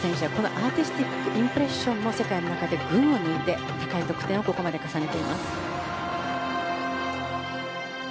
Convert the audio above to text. アーティスティックインプレッションは世界の中で群を抜いて高い得点をここまで重ねています。